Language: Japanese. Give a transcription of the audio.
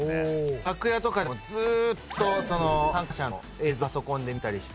楽屋とかでもずっと参加者の映像パソコンで見たりして。